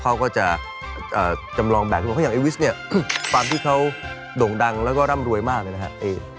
พรีชูจะจำลองแบบไม่ว่าขอยังเอวิสเนี่ยแบบที่เขาโด่งดังแล้วก็ร่ำรวยมากเลยนะครับ